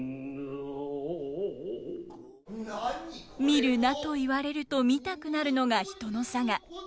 見るなといわれると見たくなるのが人の性。